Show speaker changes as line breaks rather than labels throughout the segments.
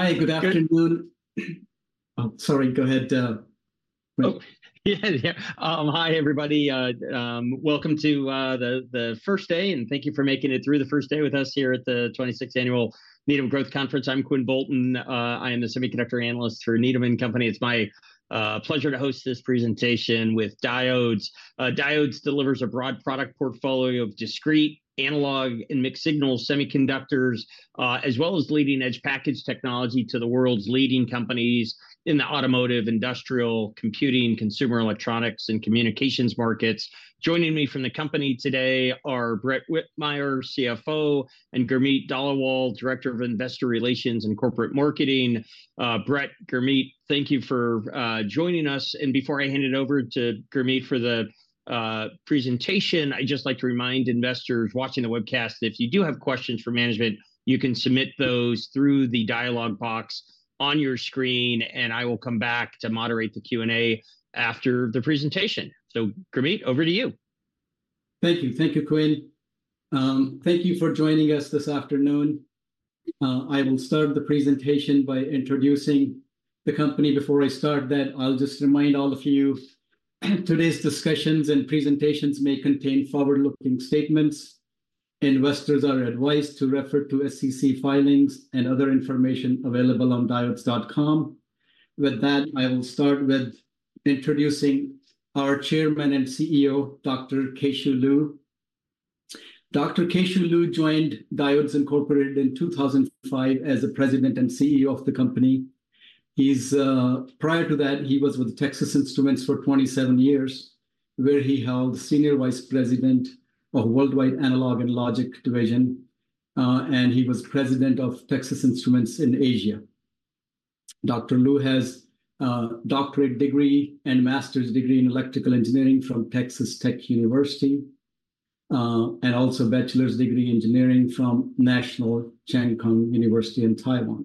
Hi, good afternoon. Oh, sorry, go ahead, Quinn.
Oh, yeah, yeah. Hi, everybody. Welcome to the first day, and thank you for making it through the first day with us here at the 26th Annual Needham Growth Conference. I'm Quinn Bolton. I am the semiconductor analyst for Needham and Company. It's my pleasure to host this presentation with Diodes. Diodes delivers a broad product portfolio of discrete, analog, and mixed-signal semiconductors, as well as leading-edge package technology to the world's leading companies in the automotive, industrial, computing, consumer electronics, and communications markets. Joining me from the company today are Brett Whitmire, CFO, and Gurmeet Dhaliwal, Director of Investor Relations and Corporate Marketing. Brett, Gurmeet, thank you for joining us. Before I hand it over to Gurmeet for the presentation, I'd just like to remind investors watching the webcast, if you do have questions for management, you can submit those through the dialogue box on your screen, and I will come back to moderate the Q&A after the presentation. Gurmeet, over to you.
Thank you. Thank you, Quinn. Thank you for joining us this afternoon. I will start the presentation by introducing the company. Before I start that, I'll just remind all of you, today's discussions and presentations may contain forward-looking statements. Investors are advised to refer to SEC filings and other information available on diodes.com. With that, I will start with introducing our Chairman and CEO, Dr. Keh-Shew Lu. Dr. Keh-Shew Lu joined Diodes Incorporated in 2005 as the President and CEO of the company. Prior to that, he was with Texas Instruments for 27 years, where he held Senior Vice President of Worldwide Analog and Logic Division, and he was President of Texas Instruments in Asia. Dr. Lu has a doctorate degree and master's degree in Electrical Engineering from Texas Tech University, and also a bachelor's degree in Engineering from National Cheng Kung University in Taiwan.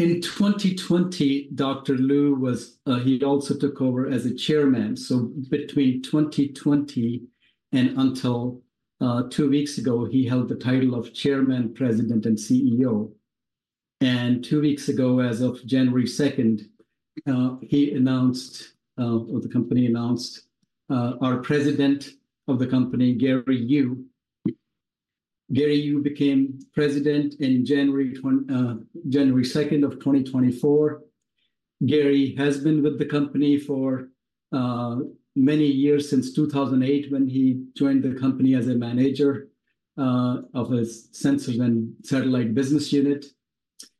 In 2020, Dr. Lu was, he also took over as Chairman. So between 2020 and until, two weeks ago, he held the title of Chairman, President, and CEO. And two weeks ago, as of January 2nd, he announced, or the company announced, our President of the company, Gary Yu. Gary Yu became President in January 2nd of 2024. Gary has been with the company for many years, since 2008, when he joined the company as a manager of a Sensors and Satellite business unit.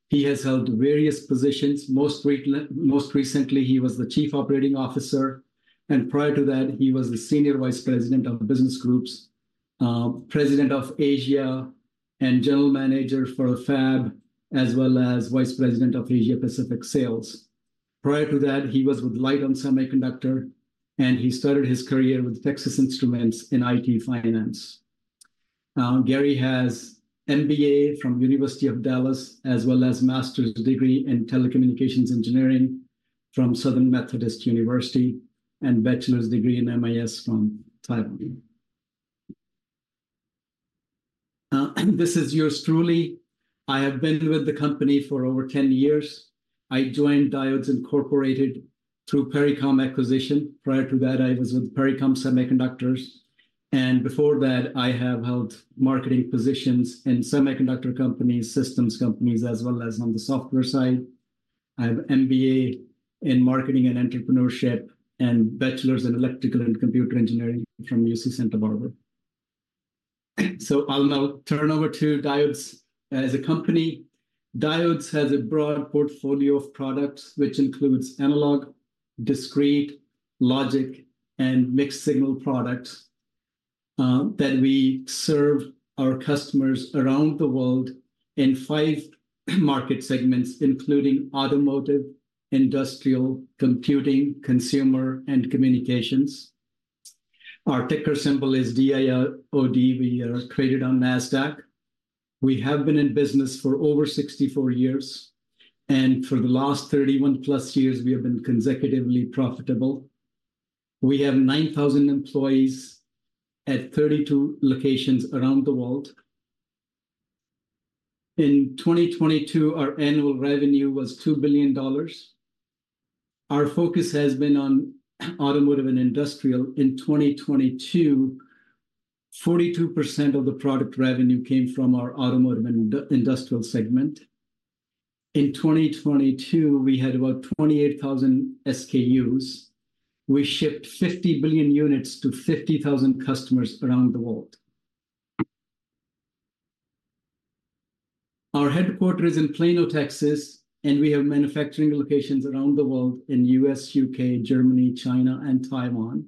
He has held various positions. Most recently, he was the Chief Operating Officer, and prior to that, he was the Senior Vice President of the Business Groups, President of Asia, and General Manager for Fab, as well as Vice President of Asia Pacific Sales. Prior to that, he was with Lite-On Semiconductor, and he started his career with Texas Instruments in IT, finance. Gary has MBA from University of Dallas, as well as master's degree in Telecommunications Engineering from Southern Methodist University, and bachelor's degree in MIS from Taiwan. And this is yours truly. I have been with the company for over 10 years. I joined Diodes Incorporated through Pericom acquisition. Prior to that, I was with Pericom Semiconductors, and before that, I have held marketing positions in semiconductor companies, systems companies, as well as on the software side. I have MBA in Marketing and Entrepreneurship and Bachelor's in Electrical and Computer Engineering from UC Santa Barbara. So I'll now turn over to Diodes as a company. Diodes has a broad portfolio of products, which includes analog, discrete, logic, and mixed-signal products, that we serve our customers around the world in five market segments, including automotive, industrial, computing, consumer, and communications. Our ticker symbol is D-I-O-D. We are traded on Nasdaq. We have been in business for over 64 years, and for the last 31+ years, we have been consecutively profitable. We have 9,000 employees at 32 locations around the world. In 2022, our annual revenue was $2 billion. Our focus has been on automotive and industrial. In 2022, 42% of the product revenue came from our automotive and industrial segment. In 2022, we had about 28,000 SKUs. We shipped 50 billion units to 50,000 customers around the world. Our headquarters is in Plano, Texas, and we have manufacturing locations around the world in U.S., U.K., Germany, China, and Taiwan.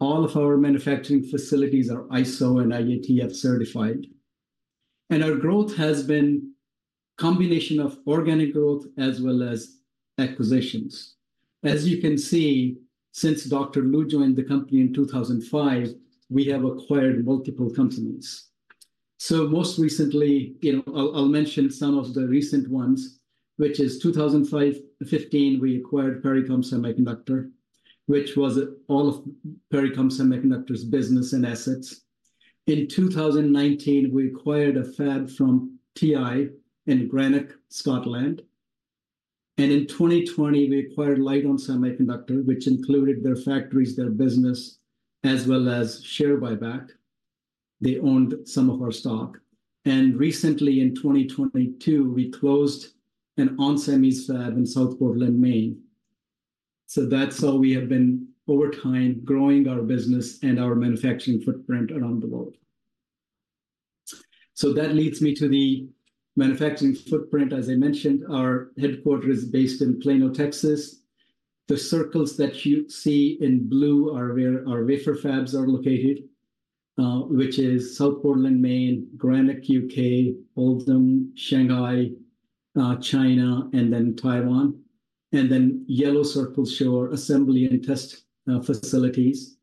All of our manufacturing facilities are ISO and IATF certified. Our growth has been combination of organic growth as well as acquisitions. As you can see, since Dr. Lu joined the company in 2005, we have acquired multiple companies. So most recently, you know, I'll, I'll mention some of the recent ones, which is 2005-2015, we acquired Pericom Semiconductor, which was all of Pericom Semiconductor's business and assets. In 2019, we acquired a fab from TI in Greenock, Scotland, and in 2020 we acquired Lite-On Semiconductor, which included their factories, their business, as well as share buyback. They owned some of our stock. And recently, in 2022, we closed an onsemi's fab in South Portland, Maine. So that's how we have been, over time, growing our business and our manufacturing footprint around the world. So that leads me to the manufacturing footprint. As I mentioned, our headquarters is based in Plano, Texas. The circles that you see in blue are where our wafer fabs are located, which is South Portland, Maine, Greenock, U.K., Oldham, Shanghai, China, and then Taiwan. And then yellow circles show our assembly and test facilities,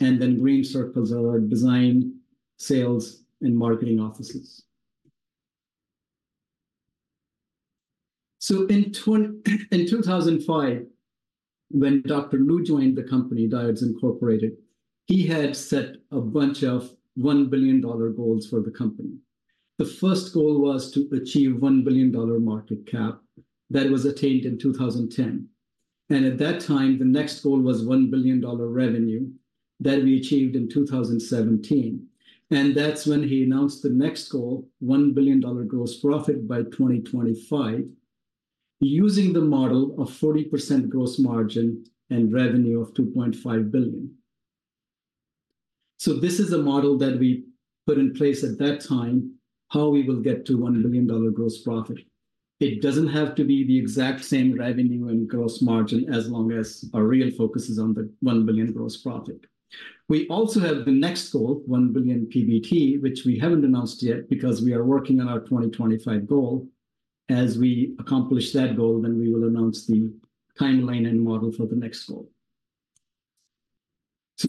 and then green circles are our design, sales, and marketing offices. So in 2005, when Dr. Lu joined the company, Diodes Incorporated, he had set a bunch of $1 billion goals for the company. The first goal was to achieve $1 billion market cap. That was attained in 2010, and at that time, the next goal was $1 billion revenue. That we achieved in 2017, and that's when he announced the next goal, $1 billion gross profit by 2025, using the model of 40% gross margin and revenue of $2.5 billion. So this is a model that we put in place at that time, how we will get to $1 billion gross profit. It doesn't have to be the exact same revenue and gross margin, as long as our real focus is on the $1 billion gross profit. We also have the next goal, $1 billion PBT, which we haven't announced yet because we are working on our 2025 goal. As we accomplish that goal, then we will announce the timeline and model for the next goal.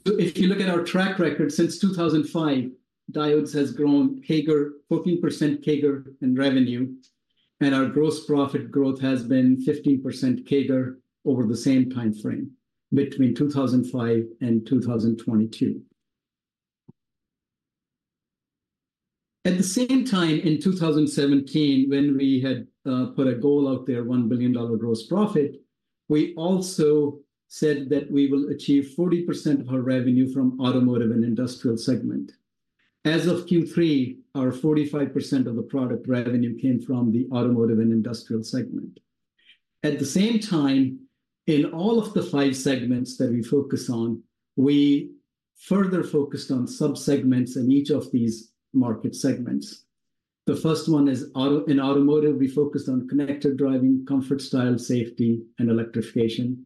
If you look at our track record, since 2005, Diodes has grown 14% CAGR in revenue, and our gross profit growth has been 15% CAGR over the same timeframe, between 2005 and 2022. At the same time, in 2017, when we had put a goal out there, $1 billion gross profit, we also said that we will achieve 40% of our revenue from automotive and industrial segment. As of Q3, our 45% of the product revenue came from the automotive and industrial segment. At the same time, in all of the five segments that we focus on, we further focused on sub-segments in each of these market segments. The first one is in automotive, we focused on connected driving, comfort, style, safety, and electrification.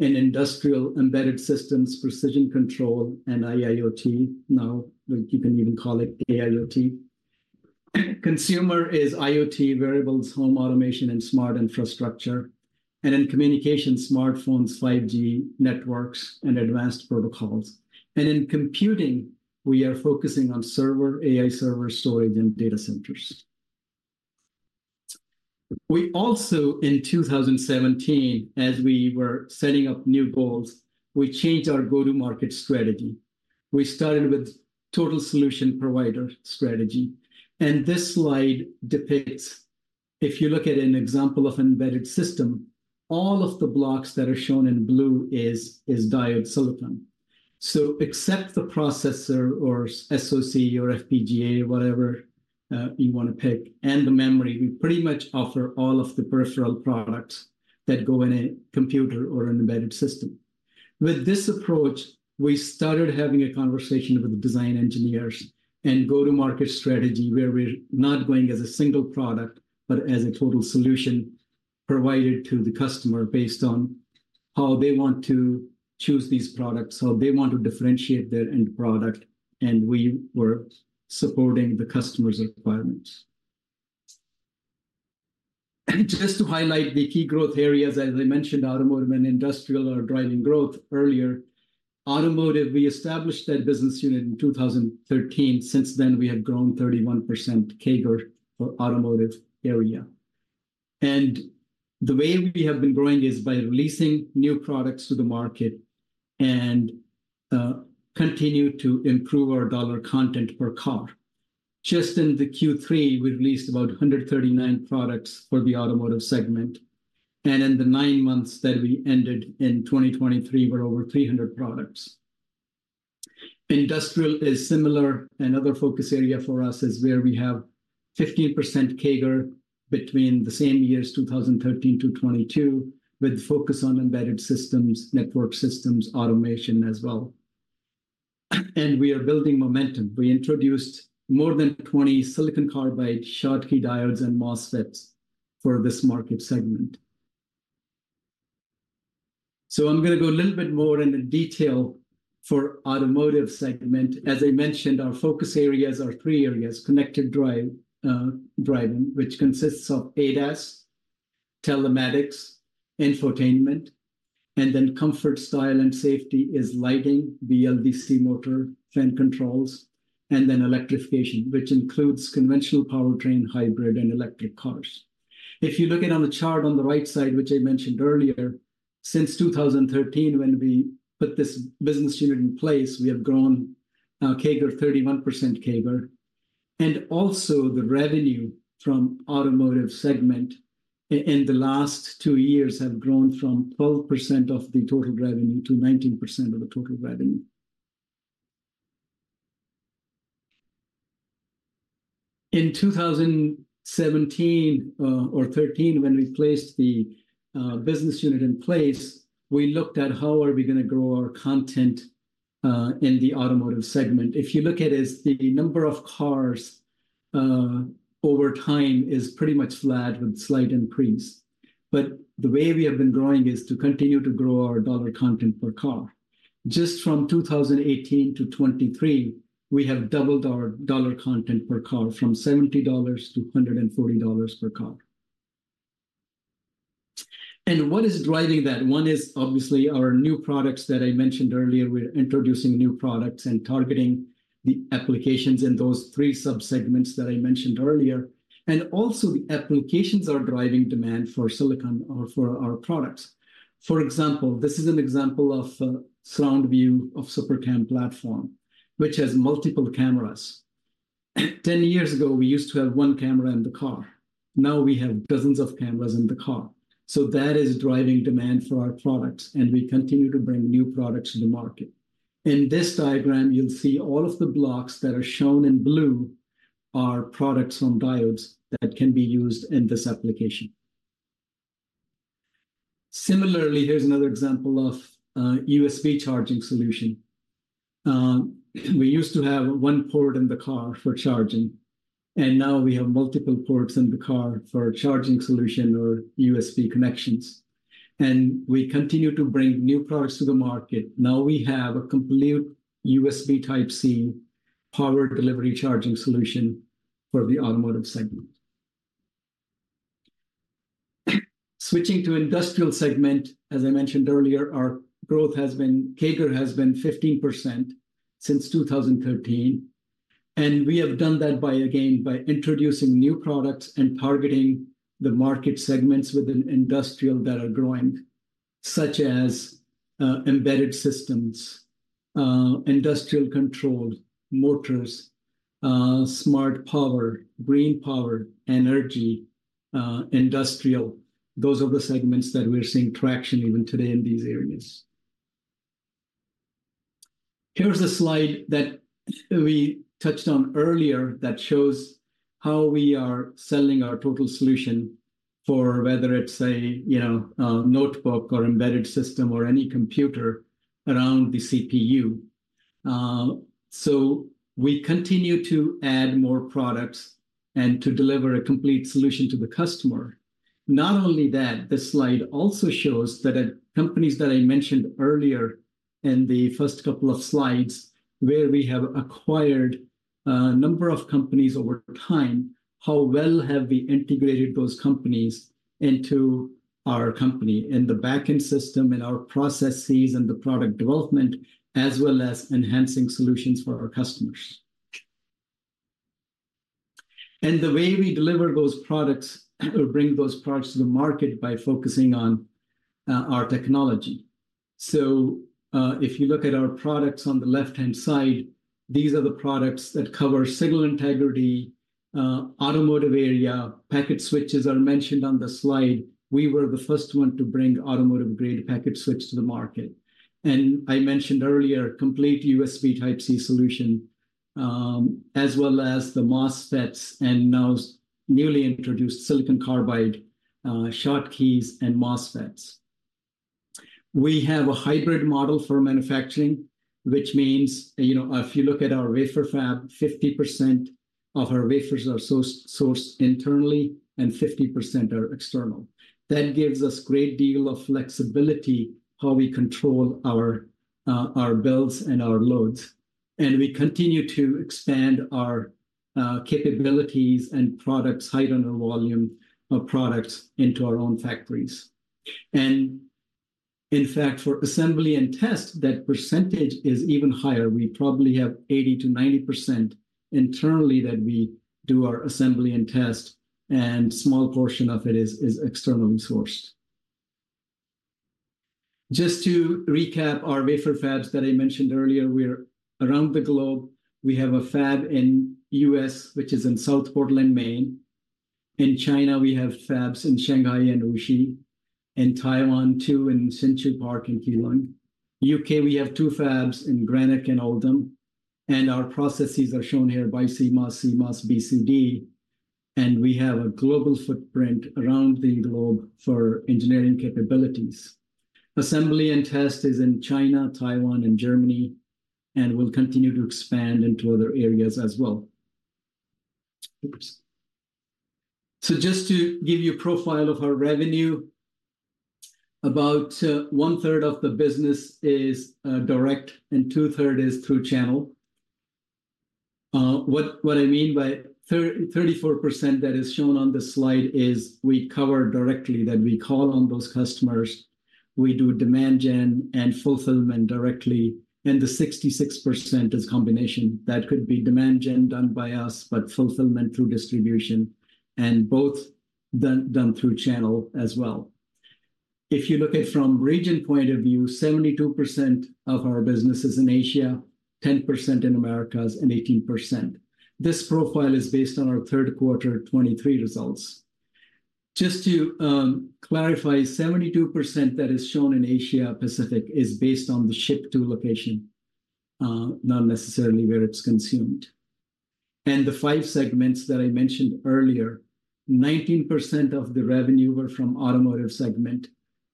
In industrial, embedded systems, precision control, and IIoT. Now, we can even call it AIoT. Consumer is IoT, wearables, home automation, and smart infrastructure. In communication, smartphones, 5G networks, and advanced protocols. In computing, we are focusing on server, AI server, storage, and data centers. We also, in 2017, as we were setting up new goals, we changed our go-to-market strategy. We started with total solution provider strategy, and this slide depicts, if you look at an example of an embedded system, all of the blocks that are shown in blue is Diodes silicon. So except the processor or SoC or FPGA, whatever, you want to pick, and the memory, we pretty much offer all of the peripheral products that go in a computer or an embedded system. With this approach, we started having a conversation with the design engineers and go-to-market strategy, where we're not going as a single product, but as a total solution provided to the customer based on how they want to choose these products, how they want to differentiate their end product, and we were supporting the customer's requirements. Just to highlight the key growth areas, as I mentioned, automotive and industrial are driving growth earlier. Automotive, we established that business unit in 2013. Since then, we have grown 31% CAGR for automotive area. The way we have been growing is by releasing new products to the market and continue to improve our dollar content per car. Just in the Q3, we released about 139 products for the automotive segment, and in the nine months that we ended in 2023, were over 300 products. Industrial is similar. Another focus area for us is where we have 15% CAGR between the same years, 2013-2022, with focus on embedded systems, network systems, automation as well. We are building momentum. We introduced more than 20 silicon carbide, Schottky diodes, and MOSFETs for this market segment. So I'm going to go a little bit more into detail for automotive segment. As I mentioned, our focus areas are three areas: connected driving, which consists of ADAS, telematics, infotainment, and then comfort, style, and safety is lighting, BLDC motor, fan controls, and then electrification, which includes conventional powertrain, hybrid, and electric cars. If you look in on the chart on the right side, which I mentioned earlier. Since 2013, when we put this business unit in place, we have grown our CAGR, 31% CAGR. And also the revenue from automotive segment in the last two years have grown from 12% of the total revenue to 19% of the total revenue. In 2017 or 2013, when we placed the business unit in place, we looked at how are we going to grow our content in the automotive segment. If you look at it, the number of cars over time is pretty much flat with slight increase, but the way we have been growing is to continue to grow our dollar content per car. Just from 2018 to 2023, we have doubled our dollar content per car, from $70 to $140 per car. And what is driving that? One is obviously our new products that I mentioned earlier. We're introducing new products and targeting the applications in those three sub-segments that I mentioned earlier, and also the applications are driving demand for silicon or for our products. For example, this is an example of a sound view of SuperCam platform, which has multiple cameras. 10 years ago, we used to have one camera in the car, now we have dozens of cameras in the car. So that is driving demand for our products, and we continue to bring new products to the market. In this diagram, you'll see all of the blocks that are shown in blue are products from Diodes that can be used in this application. Similarly, here's another example of a USB charging solution. We used to have one port in the car for charging, and now we have multiple ports in the car for charging solution or USB connections, and we continue to bring new products to the market. Now we have a complete USB Type-C power delivery charging solution for the automotive segment. Switching to industrial segment, as I mentioned earlier, our growth has been CAGR has been 15% since 2013, and we have done that by again by introducing new products and targeting the market segments within industrial that are growing, such as embedded systems, industrial controlled motors, smart power, green power, energy, industrial. Those are the segments that we're seeing traction even today in these areas. Here's a slide that we touched on earlier that shows how we are selling our total solution for whether it's a, you know, a notebook or embedded system, or any computer around the CPU. So we continue to add more products and to deliver a complete solution to the customer. Not only that, this slide also shows that at companies that I mentioned earlier in the first couple of slides, where we have acquired a number of companies over time, how well have we integrated those companies into our company, in the backend system, in our processes and the product development, as well as enhancing solutions for our customers. And the way we deliver those products, or bring those products to the market, by focusing on our technology. If you look at our products on the left-hand side, these are the products that cover signal integrity, automotive area. Packet switches are mentioned on the slide. We were the first one to bring automotive-grade packet switch to the market. And I mentioned earlier, complete USB Type-C solution, as well as the MOSFETs and now newly introduced silicon carbide, Schottkys and MOSFETs. We have a hybrid model for manufacturing, which means, you know, if you look at our wafer fab, 50% of our wafers are sourced internally, and 50% are external. That gives us great deal of flexibility, how we control our builds and our loads, and we continue to expand our capabilities and products, height and the volume of products into our own factories. And in fact, for assembly and test, that percentage is even higher. We probably have 80% to 90% internally that we do our assembly and test, and small portion of it is externally sourced. Just to recap our wafer fabs that I mentioned earlier, we're around the globe. We have a fab in U.S., which is in South Portland, Maine. In China, we have fabs in Shanghai and Wuxi, and Taiwan too, in Hsinchu Park and Keelung. U.K., we have two fabs in Greenock and Oldham, and our processes are shown here by CMOS, CMOS BCD, and we have a global footprint around the globe for engineering capabilities. Assembly and test is in China, Taiwan, and Germany, and we'll continue to expand into other areas as well. So just to give you a profile of our revenue, about, 1/3 of the business is direct and 2/3 is through a channel. What I mean by 34% that is shown on the slide is we cover directly, that we call on those customers. We do demand gen and fulfillment directly, and the 66% is combination. That could be demand gen done by us, but fulfillment through distribution, and both done through channel as well. If you look at from region point of view, 72% of our business is in Asia, 10% in Americas, and 18%. This profile is based on our third quarter 2023 results. Just to clarify, 72% that is shown in Asia Pacific is based on the ship-to location, not necessarily where it's consumed. The five segments that I mentioned earlier, 19% of the revenue were from automotive segment,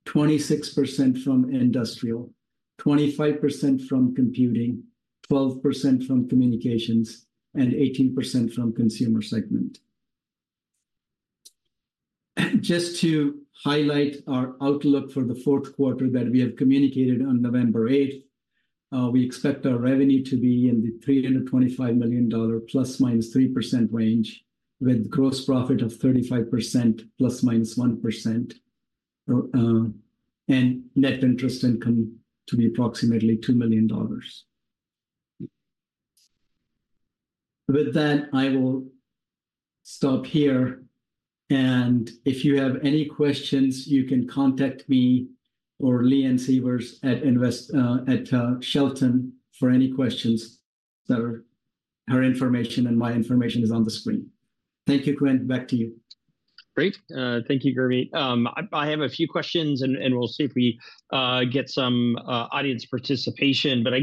26% from industrial, 25% from computing, 12% from communications, and 18% from consumer segment. Just to highlight our outlook for the fourth quarter that we have communicated on November 8th, we expect our revenue to be in the $325 million, ±3% range, with gross profit of 35%, ±1%. And net interest income to be approximately $2 million. With that, I will stop here, and if you have any questions, you can contact me or Leanne Sievers at Shelton, for any questions. So her information and my information is on the screen. Thank you, Quinn. Back to you.
Great. Thank you, Gurmeet. I have a few questions, and we'll see if we get some audience participation. But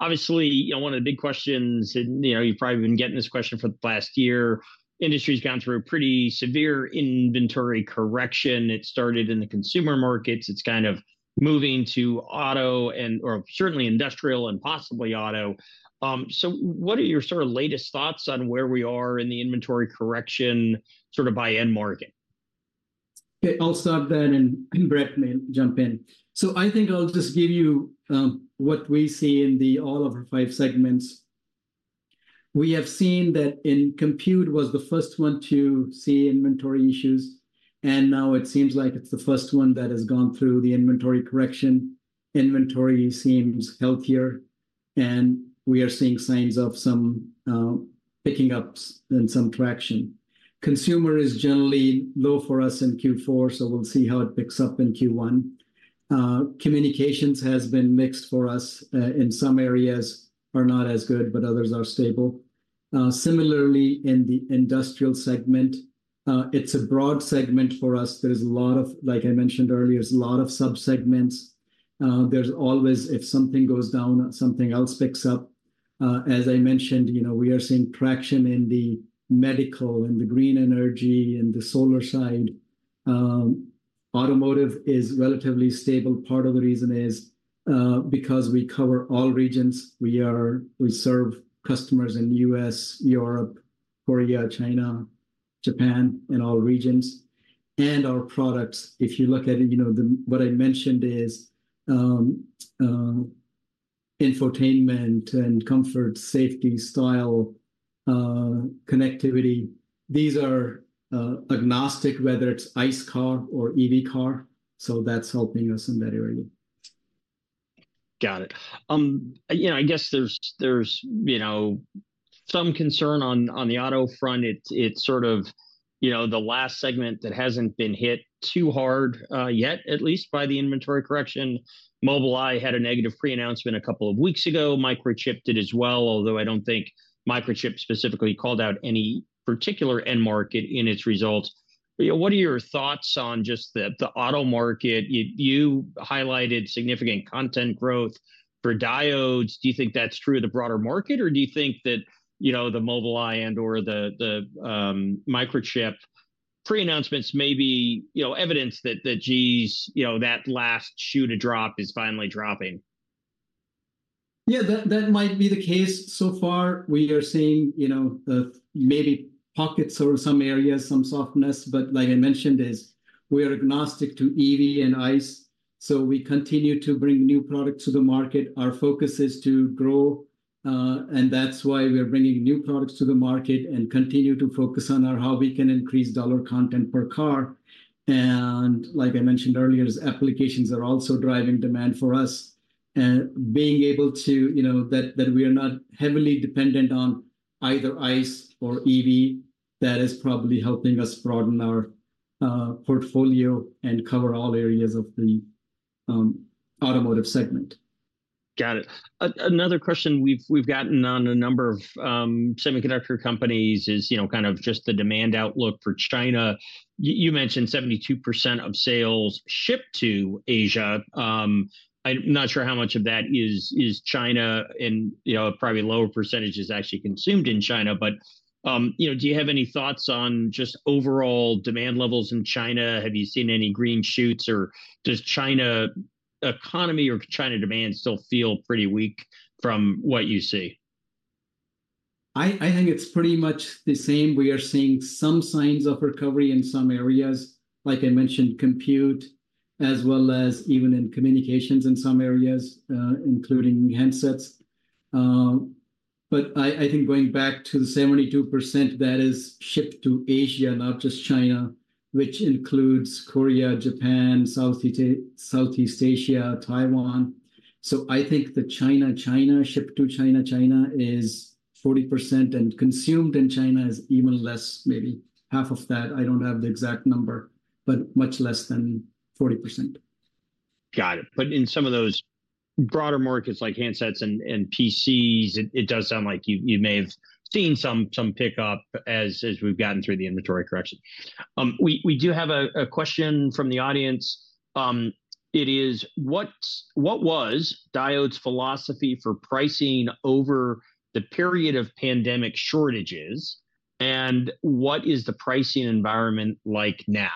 obviously, you know, one of the big questions and, you know, you've probably been getting this question for the past year, industry's gone through a pretty severe inventory correction. It started in the consumer markets. It's kind of moving to auto and, or certainly industrial and possibly auto. So what are your sort of latest thoughts on where we are in the inventory correction, sort of by end market?
Okay, I'll start then, and, and Brett may jump in. So I think I'll just give you what we see in the all of the five segments. We have seen that in compute was the first one to see inventory issues, and now it seems like it's the first one that has gone through the inventory correction. Inventory seems healthier, and we are seeing signs of some picking ups and some traction. Consumer is generally low for us in Q4, so we'll see how it picks up in Q1. Communications has been mixed for us. In some areas are not as good, but others are stable. Similarly in the industrial segment, it's a broad segment for us. There's a lot of, like I mentioned earlier, there's a lot of sub-segments. There's always, if something goes down, something else picks up. As I mentioned, you know, we are seeing traction in the medical, in the green energy, in the solar side. Automotive is relatively stable. Part of the reason is, because we cover all regions. We serve customers in U.S., Europe, Korea, China, Japan, in all regions. And our products, if you look at it, you know, the, what I mentioned is, infotainment and comfort, safety, style, connectivity. These are, agnostic, whether it's ICE car or EV car, so that's helping us in that area.
Got it. You know, there's some concern on the auto front. It's sort of, you know, the auto front. It's sort of, you know, the last segment that hasn't been hit too hard yet, at least by the inventory correction. Mobileye had a negative pre-announcement a couple of weeks ago. Microchip did as well, although I don't think Microchip specifically called out any particular end market in its results. But, you know, what are your thoughts on just the auto market? You highlighted significant content growth for Diodes. Do you think that's true of the broader market, or do you think that, you know, the Mobileye and/or the Microchip pre-announcements may be, you know, evidence that the auto's, you know, that last shoe to drop is finally dropping?
Yeah, that, that might be the case. So far, we are seeing, you know, maybe pockets or some areas, some softness, but like I mentioned, is we are agnostic to EV and ICE, so we continue to bring new products to the market. Our focus is to grow, and that's why we're bringing new products to the market and continue to focus on how we can increase dollar content per car. And like I mentioned earlier, is applications are also driving demand for us. And being able to, you know, that, that we are not heavily dependent on either ICE or EV, that is probably helping us broaden our portfolio and cover all areas of the automotive segment.
Got it. Another question we've gotten on a number of semiconductor companies is, you know, kind of just the demand outlook for China. You mentioned 72% of sales shipped to Asia. I'm not sure how much of that is China and, you know, probably a lower percentage is actually consumed in China, but, you know, do you have any thoughts on just overall demand levels in China? Have you seen any green shoots, or does China economy or China demand still feel pretty weak from what you see?
I think it's pretty much the same. We are seeing some signs of recovery in some areas, like I mentioned, compute, as well as even in communications in some areas, including handsets. But I think going back to the 72%, that is shipped to Asia, not just China, which includes Korea, Japan, Southeast Asia, Taiwan. So I think the China shipped to China is 40%, and consumed in China is even less, maybe half of that. I don't have the exact number, but much less than 40%.
Got it. But in some of those broader markets, like handsets and PCs, it does sound like you may have seen some pickup as we've gotten through the inventory correction. We do have a question from the audience. It is, what was Diodes' philosophy for pricing over the period of pandemic shortages, and what is the pricing environment like now.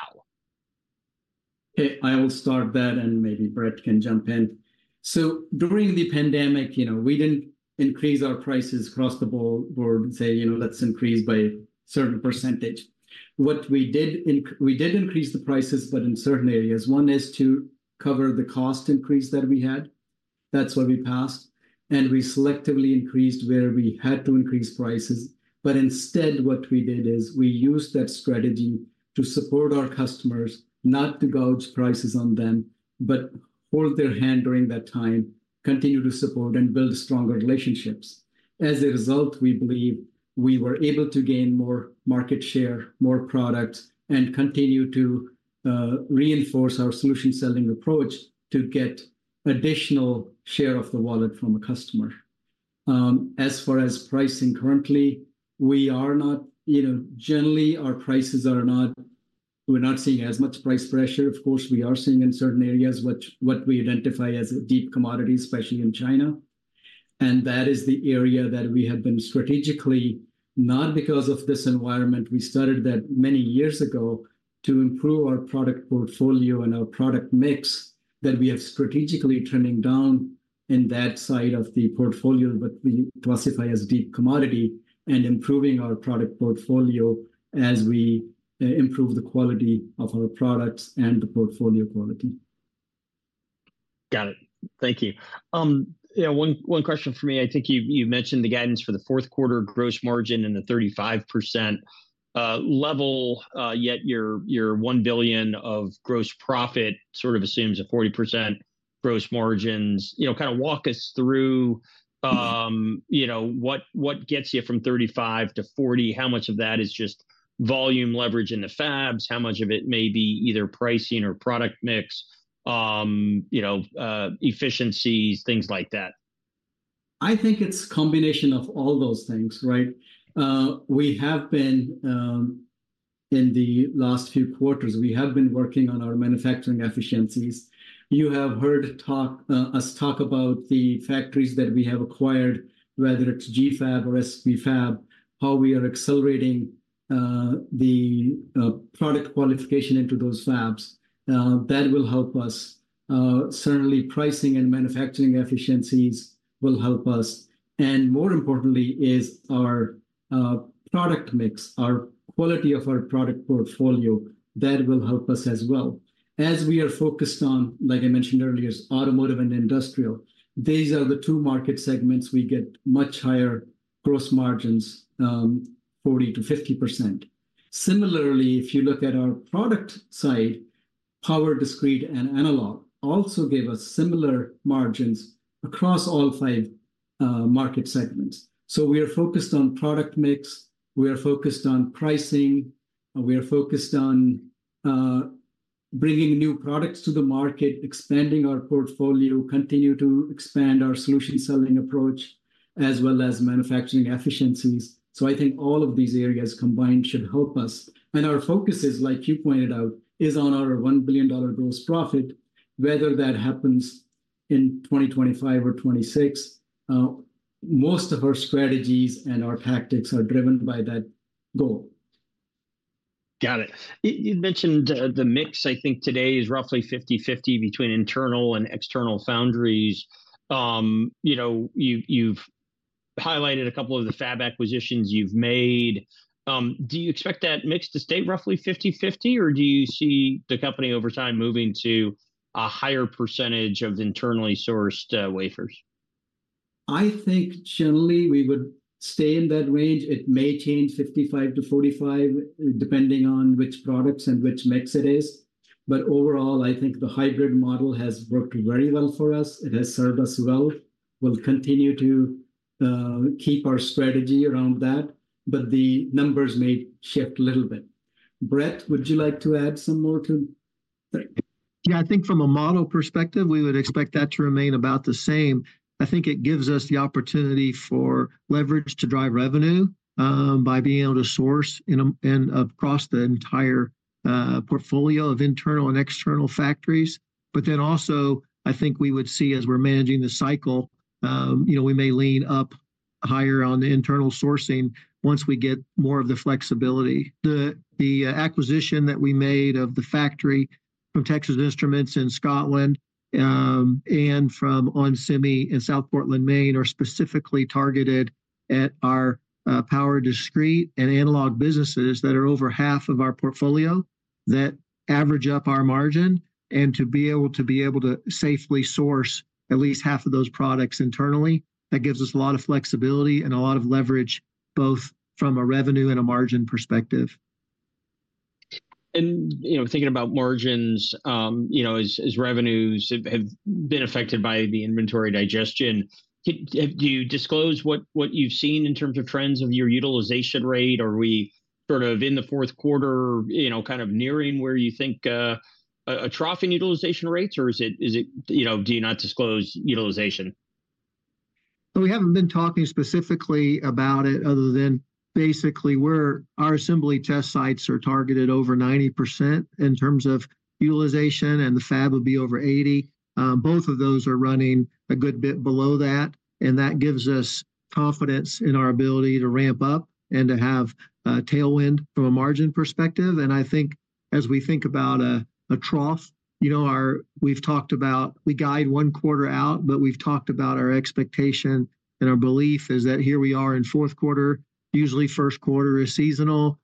Okay, I will start that, and maybe Brett can jump in. So during the pandemic, you know, we didn't increase our prices across the board and say, you know, "Let's increase by a certain percentage." What we did, we did increase the prices, but in certain areas. One is to cover the cost increase that we had. That's what we passed, and we selectively increased where we had to increase prices. But instead, what we did is, we used that strategy to support our customers, not to gouge prices on them, but hold their hand during that time, continue to support and build stronger relationships. As a result, we believe we were able to gain more market share, more products, and continue to reinforce our solution-selling approach to get additional share of the wallet from a customer. As far as pricing currently, we are not, you know, generally, our prices are not, we're not seeing as much price pressure. Of course, we are seeing in certain areas, what we identify as a deep commodity, especially in China, and that is the area that we have been strategically, not because of this environment, we started that many years ago to improve our product portfolio and our product mix, that we are strategically trending down in that side of the portfolio, what we classify as deep commodity, and improving our product portfolio as we improve the quality of our products and the portfolio quality.
Got it. Thank you. Yeah, one, one question for me. I think you mentioned the guidance for the fourth quarter gross margin and the 35% level, yet your $1 billion of gross profit sort of assumes a 40% gross margins. You know, kind of walk us through, you know, what gets you from 35% to 40%? How much of that is just volume leverage in the fabs? How much of it may be either pricing or product mix, you know, efficiencies, things like that?
I think it's combination of all those things, right? In the last few quarters, we have been working on our manufacturing efficiencies. You have heard us talk about the factories that we have acquired, whether it's GFAB or SP Fab, how we are accelerating the product qualification into those fabs. That will help us. Certainly pricing and manufacturing efficiencies will help us, and more importantly is our product mix, our quality of our product portfolio. That will help us as well. As we are focused on, like I mentioned earlier, is automotive and industrial. These are the two market segments we get much higher gross margins, 40% to 50%. Similarly, if you look at our product side, power, discrete, and analog also gave us similar margins across all five market segments. So we are focused on product mix, we are focused on pricing, and we are focused on bringing new products to the market, expanding our portfolio, continue to expand our solution-selling approach, as well as manufacturing efficiencies. So I think all of these areas combined should help us. And our focus is, like you pointed out, is on our $1 billion gross profit. Whether that happens in 2025 or 2026, most of our strategies and our tactics are driven by that goal.
Got it. You mentioned the mix. I think today is roughly 50/50 between internal and external foundries. You know, you've highlighted a couple of the fab acquisitions you've made. Do you expect that mix to stay roughly 50/50, or do you see the company over time moving to a higher percentage of internally sourced wafers?
I think generally we would stay in that range. It may change 55 to 45, depending on which products and which mix it is. But overall, I think the hybrid model has worked very well for us. It has served us well. We'll continue to keep our strategy around that, but the numbers may shift a little bit. Brett, would you like to add some more to that?
Yeah, I think from a model perspective, we would expect that to remain about the same. I think it gives us the opportunity for leverage to drive revenue, by being able to source in across the entire portfolio of internal and external factories. But then also, I think we would see, as we're managing the cycle, you know, we may lean up higher on the internal sourcing once we get more of the flexibility. The acquisition that we made of the factory from Texas Instruments in Scotland, and from Onsemi in South Portland, Maine, are specifically targeted at our power, discrete, and analog businesses that are over half of our portfolio, that average up our margin. To be able to safely source at least half of those products internally, that gives us a lot of flexibility and a lot of leverage, both from a revenue and a margin perspective.
You know, thinking about margins, you know, as revenues have been affected by the inventory digestion, do you disclose what you've seen in terms of trends of your utilization rate? Are we sort of in the fourth quarter, you know, kind of nearing where you think a trough in utilization rates, or is it, you know, do you not disclose utilization?
But we haven't been talking specifically about it other than basically we're our assembly test sites are targeted over 90% in terms of utilization, and the fab will be over 80%. Both of those are running a good bit below that, and that gives us confidence in our ability to ramp up and to have tailwind from a margin perspective. And I think as we think about a trough, you know, we've talked about, we guide one quarter out, but we've talked about our expectation and our belief is that here we are in fourth quarter, usually first quarter is seasonal,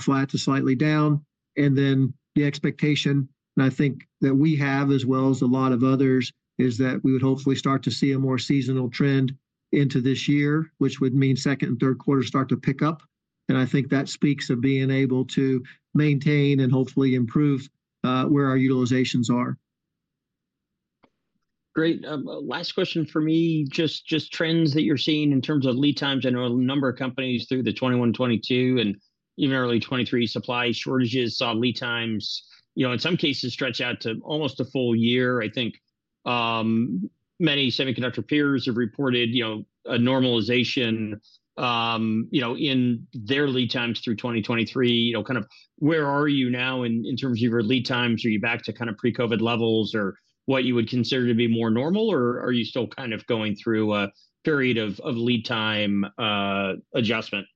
flat to slightly down. And then the expectation, and I think that we have as well as a lot of others, is that we would hopefully start to see a more seasonal trend into this year, which would mean second and third quarter start to pick up. And I think that speaks of being able to maintain and hopefully improve, where our utilizations are.
Great. Last question for me. Just, just trends that you're seeing in terms of lead times. I know a number of companies through the 2021, 2022, and even early 2023, supply shortages, saw lead times, you know, in some cases, stretch out to almost a full year. I think, many semiconductor peers have reported, you know, a normalization, you know, in their lead times through 2023. You know, kind of where are you now in terms of your lead times? Are you back to kind of pre-COVID levels or what you would consider to be more normal, or are you still kind of going through a period of lead time adjustment?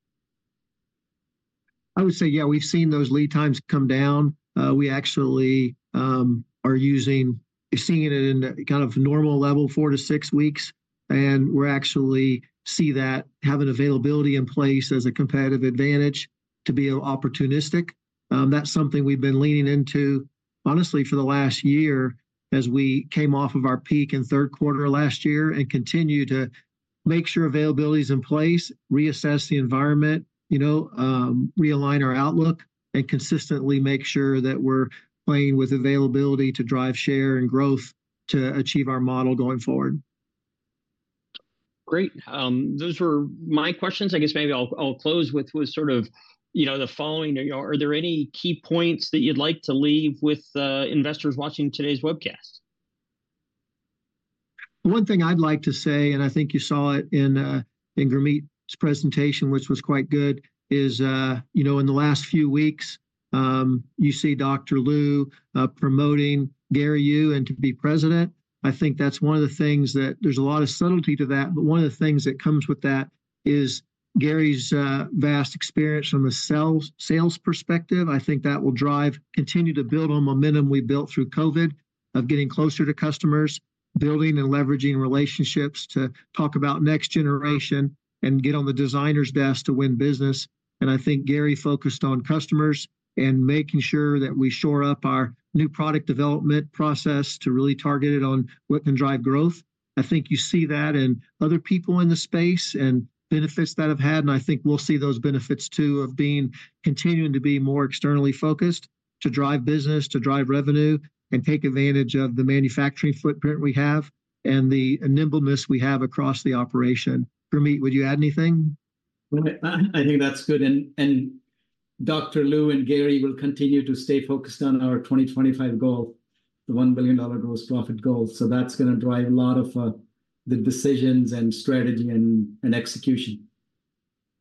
I would say, yeah, we've seen those lead times come down. We actually are using, we're seeing it in the kind of normal level, 4 weeks to 6 weeks, and we're actually seeing that, have an availability in place as a competitive advantage to be opportunistic. That's something we've been leaning into, honestly, for the last year, as we came off of our peak in third quarter last year, and continue to make sure availability is in place, reassess the environment, you know, realign our outlook, and consistently make sure that we're playing with availability to drive share and growth to achieve our model going forward.
Great. Those were my questions. Maybe I'll close with sort of, you know, the following. Are there any key points that you'd like to leave with investors watching today's webcast?
One thing I'd like to say, and I think you saw it in, in Gurmeet's presentation, which was quite good, is, you know, in the last few weeks, you see Dr. Lu promoting Gary Yu and to be president. I think that's one of the things that there's a lot of subtlety to that, but one of the things that comes with that is Gary's vast experience from a sales perspective. I think that will drive, continue to build on momentum we built through COVID, of getting closer to customers, building and leveraging relationships to talk about next generation and get on the designer's desk to win business. And I think Gary focused on customers and making sure that we shore up our new product development process to really target it on what can drive growth. I think you see that in other people in the space and benefits that have had, and I think we'll see those benefits, too, of being, continuing to be more externally focused, to drive business, to drive revenue, and take advantage of the manufacturing footprint we have and the nimbleness we have across the operation. Gurmeet, would you add anything?
Well, I think that's good, and Dr. Lu and Gary will continue to stay focused on our 2025 goal, the $1 billion gross profit goal. So that's going to drive a lot of the decisions and strategy and execution.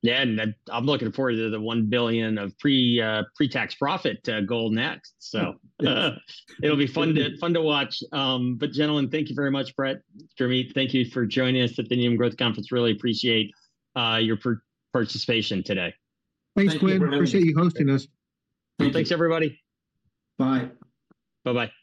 Yeah, and I'm looking forward to the $1 billion of pre-tax profit goal next. So it'll be fun to, fun to watch. But gentlemen, thank you very much. Brett, Gurmeet, thank you for joining us at the Needham Growth Conference. Really appreciate your participation today.
Thank you.
Thanks, Quinn. Appreciate you hosting us.
Thanks, everybody.
Bye.
Bye-bye.